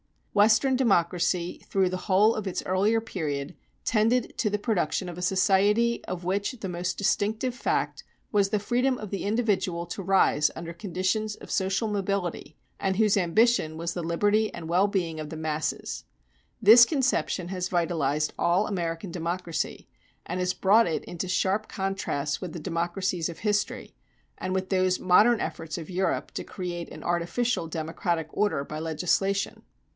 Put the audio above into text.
Western democracy through the whole of its earlier period tended to the production of a society of which the most distinctive fact was the freedom of the individual to rise under conditions of social mobility, and whose ambition was the liberty and well being of the masses. This conception has vitalized all American democracy, and has brought it into sharp contrasts with the democracies of history, and with those modern efforts of Europe to create an artificial democratic order by legislation.